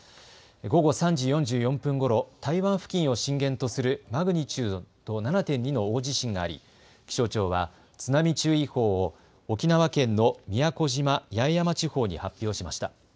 午後３時４４分ごろ、台湾付近を震源とするマグニチュード７．２の大地震があり、気象庁は津波注意報を沖縄県の宮古島・八重山地方に発表しました。